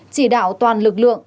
chỉ đạo toàn lực lượng